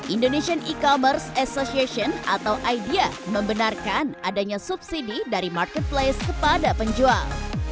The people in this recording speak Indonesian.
indonesian e commerce association atau idea membenarkan adanya subsidi dari marketplace kepada penjual